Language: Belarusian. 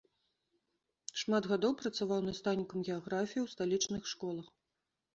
Шмат гадоў працаваў настаўнікам геаграфіі ў сталічных школах.